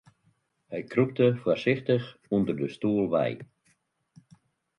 Hy krûpte foarsichtich ûnder de stoel wei.